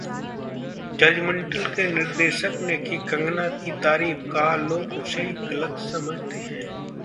judgemental के निर्देशक ने की कंगना की तारीफ, कहा- लोग उसे गलत समझते हैं